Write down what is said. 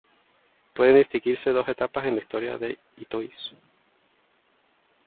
Pueden distinguirse dos etapas en la historia de Itoiz.